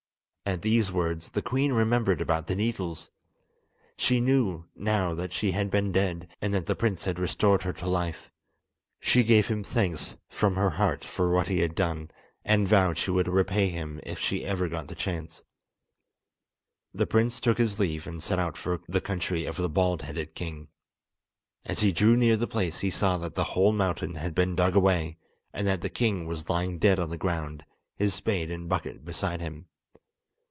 At these words the queen remembered about the needles. She knew now that she had been dead, and that the prince had restored her to life. She gave him thanks from her heart for what he had done, and vowed she would repay him if she ever got a chance. The prince took his leave, and set out for the country of the bald headed king. As he drew near the place he saw that the whole mountain had been dug away, and that the king was lying dead on the ground, his spade and bucket beside him.